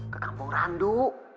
ke kampung randu